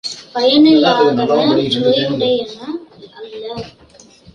பயனிலாதன சுவையுடையன அல்ல.